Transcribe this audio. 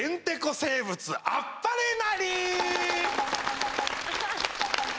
生物あっぱれなり！